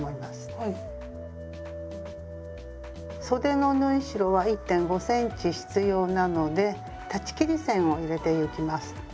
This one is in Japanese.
そでの縫い代は１．５ｃｍ必要なので裁ち切り線を入れてゆきます。